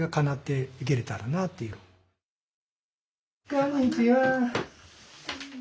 こんにちは。